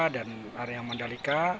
dan area mandalika